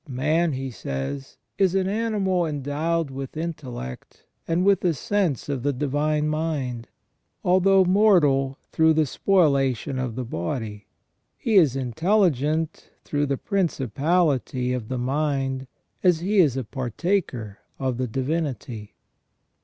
" Man," he says, " is an animal endowed with intellect, and with a sense of the divine mind, although mortal through the spoliation of the body. He is intelligent through the principality of the mind as he is a partaker of the Divinity."